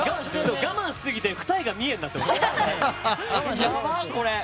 我慢しすぎて二重が三重になってました。